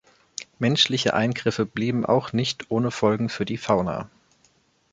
Menschliche Eingriffe blieben auch nicht ohne Folgen für die Fauna.